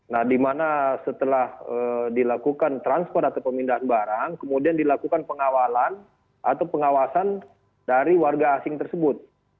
nah di mana setelah dilakukan transfer atau pemindahan barang kemudian dilakukan pengawalan atau pengawasan dari warga asing tersebut